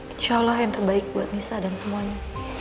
insya allah yang terbaik buat nisa dan semuanya